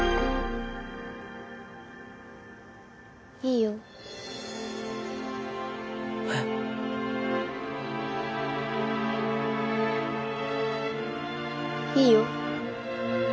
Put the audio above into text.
いいよえっいいよ